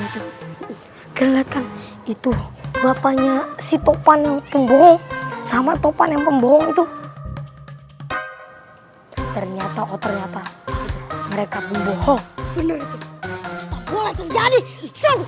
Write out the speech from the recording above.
tetap boleh terjadi segera luar